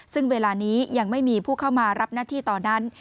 ซึ่งเวลานี้ยังไม่มีผู้เข้ามารับหน้าที่ตอนนั้น